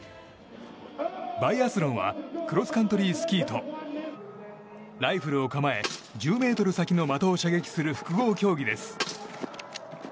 バイアスロンはクロスカントリースキーとライフルを構え１０ｍ先の的を射撃する複合競技です。